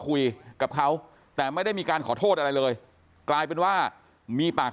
คุยกับเขาแต่ไม่ได้มีการขอโทษอะไรเลยกลายเป็นว่ามีปาก